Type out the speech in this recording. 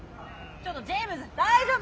ちょっとジェームズ大丈夫？